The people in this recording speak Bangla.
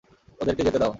ওদেরকে যেতে দাও!